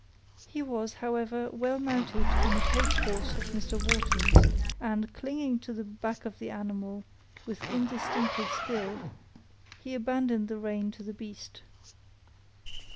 He was, however, well mounted on a coach horse of Mr. Wharton's and, clinging to the back of the animal with instinctive skill, he abandoned the rein to the beast.